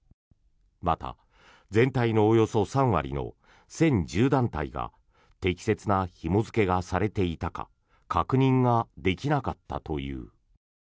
また、全体のおよそ３割の１０１０団体が適切なひも付けがされていたか確認ができなかったという。